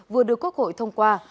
vừa được quốc hội thông qua